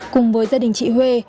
cùng với gia đình chị huê